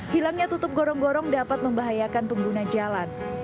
hilangnya tutup gorong gorong dapat membahayakan pengguna jalan